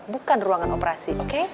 bukan ruangan operasi oke